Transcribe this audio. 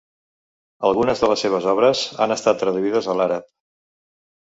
Algunes de les seves obres han estat traduïdes a l'àrab.